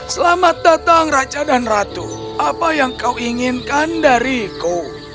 selamat datang raja dan ratu apa yang kau inginkan dariku